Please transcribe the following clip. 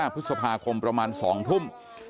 พฤษภาคมประมาณ๒ทุ่ม